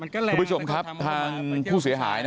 คุณผู้ชมครับทางผู้เสียหาย